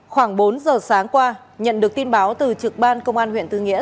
khoảng bốn giờ sáng qua nhận được tin báo từ trực ban công an huyện tư nghĩa